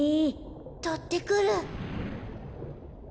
とってくる。